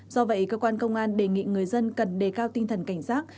do vậy cơ quan công an đề nghị người dân cần đề cao tinh thần cảnh giác